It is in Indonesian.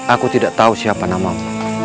aku tidak tahu siapa namamu